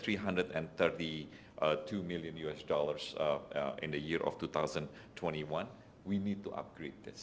kami tidak kurang dari usd tiga ratus tiga puluh dua juta pada tahun dua ribu dua puluh satu